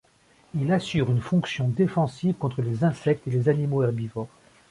Il assure une fonction défensive contre les insectes et les animaux herbivores.